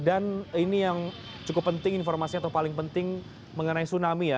dan ini yang cukup penting informasinya atau paling penting mengenai tsunami ya